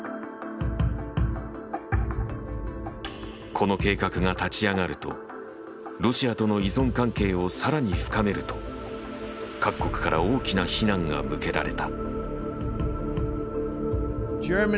この計画が立ち上がるとロシアとの依存関係をさらに深めると各国から大きな非難が向けられた。